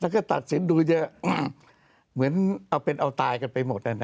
ก็ตัดสินดูเยอะเหมือนเอาเป็นเอาตายกันไปหมด